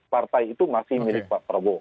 partai itu masih milik pak prabowo